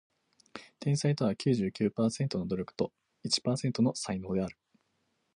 天才とは九十九パーセントの努力と一パーセントの才能である